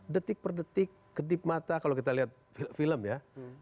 detik per detik kedip mata kalau kita lihat film ya